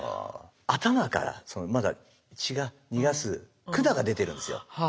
頭からまだ血を逃がす管が出てるんですよ。